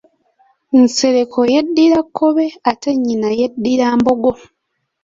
Nsereko yeddira Kkobe ate nnyina yeddira Mbogo.